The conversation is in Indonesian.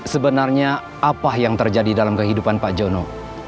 sebenarnya apa yang terjadi dalam kehidupan pak jono